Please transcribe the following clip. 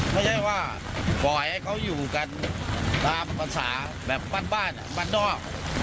ไม่ใช่ว่าปล่อยให้เขาอยู่กันตามภาษาแบบบ้านบ้านนอก